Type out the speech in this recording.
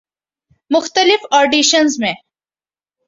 مختلف آڈیشنزمیں